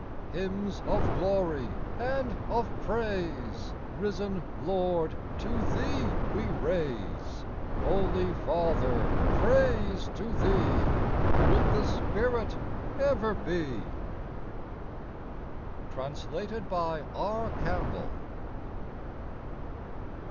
Hymns of glory and of praise, Risen Lord, to Thee we raise ; Holy Father, praise to Thee, With the Spirit, ever be ! Translated by R. CAMPBELL.